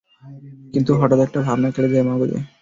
কিন্তু হঠাৎ একটা ভাবনা খেলে যায় মগজে।